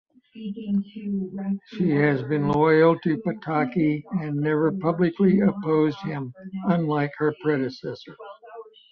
She has been loyal to Pataki and never publicly opposed him, unlike her predecessor.